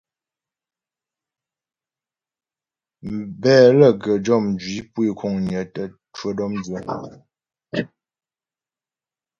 Mbɛ lə́ ghə bə́ jɔ mjwǐ pu é kuŋnyə tə cwə dɔ̌mdyə.